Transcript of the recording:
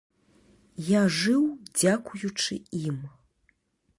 Я жыў дзякуючы ім.